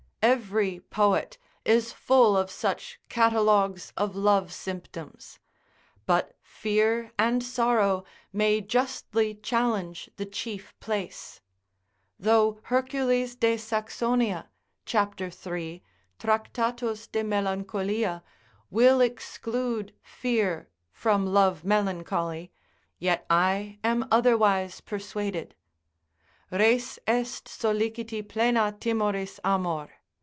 Every poet is full of such catalogues of love symptoms; but fear and sorrow may justly challenge the chief place. Though Hercules de Saxonia, cap. 3. Tract. de melanch. will exclude fear from love melancholy, yet I am otherwise persuaded. Res est solliciti plena timoris amor.